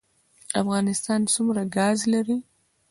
افغانستان څومره ګاز لري؟